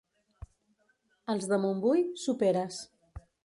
Els de Montbui, soperes.